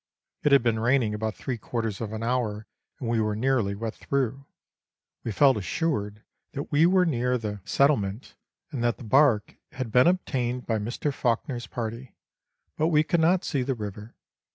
It had been raining about three quarters of an hour, and we were nearly wet through. We felt assured that we were near the Letters from Victorian Pioneers. 287 settlement, and that the bark had been obtained by Mr. Fawkner's party, but we could not see the river.